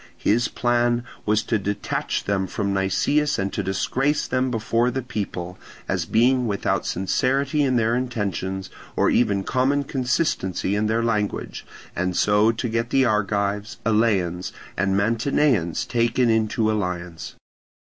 His plan was to detach them from Nicias and to disgrace them before the people, as being without sincerity in their intentions, or even common consistency in their language, and so to get the Argives, Eleans, and Mantineans taken into alliance.